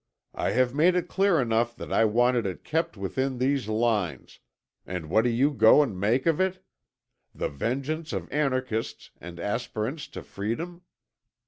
I have made it clear enough that I wanted it kept within these lines; and what do you go and make of it?... The vengeance of anarchists and aspirants to freedom?